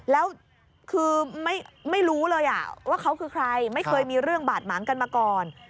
แล้วคือไม่รู้เลยว่าเขาคือใครไม่เคยมีเรื่องบาดหมางกันมาก่อน